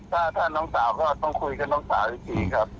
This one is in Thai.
ถ้าน้องสาวก็ต้องคุยกับน้องสาวอีกทีครับ